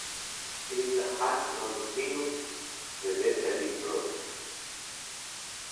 Io ha non minus de dece libros.